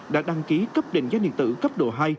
đã đăng ký cấp định danh điện tử cấp độ hai